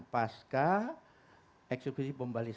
pasca eksekusi bom bali